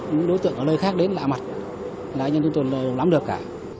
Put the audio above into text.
những đối tượng ở nơi khác đến lạ mặt là nhân dân tôi đều lắm được cả